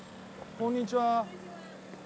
こんにちは。